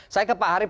saya ke pak harif